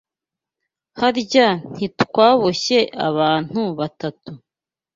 harya ntitwaboshye abantu batatu